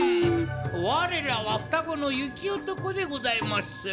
われらはふたごのゆきおとこでございまする。